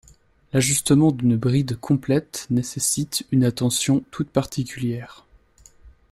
L'ajustement d'une bride complète nécessite une attention toute particulière.